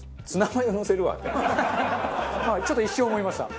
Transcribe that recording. ちょっと一瞬思いました。